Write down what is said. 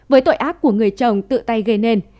với tội ác của người chồng tự tay gây nên